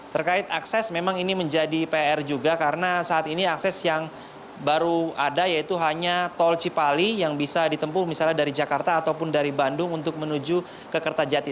terkait akses memang ini menjadi pr juga karena saat ini akses yang baru ada yaitu hanya tol cipali yang bisa ditempuh misalnya dari jakarta ataupun dari bandung untuk menuju ke kertajati